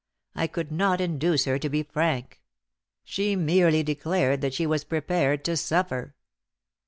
I could not induce her to be frank. She merely declared that she was prepared to suffer.